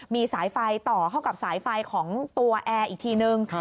มีสายไฟต่อเข้ากับสายไฟของตัวแอร์อีกทีนึง